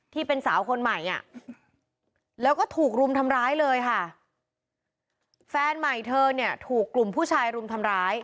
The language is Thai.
ที่เป็นสาวคนใหม่แล้วก็ถูกรุมทำร้ายเลยค่ะ